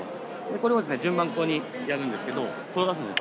これを順番こにやるんですけど転がすんです